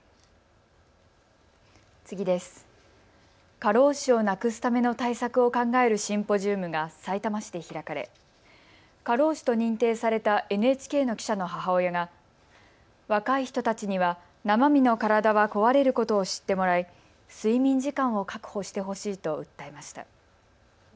過労死をなくすための対策を考えるシンポジウムがさいたま市で開かれ過労死と認定されたＮＨＫの記者の母親が若い人たちには生身の体は壊れることを知ってもらい睡眠時間を確保してほしいと訴えました。